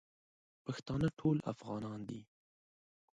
پښتانه ټول افغانان دی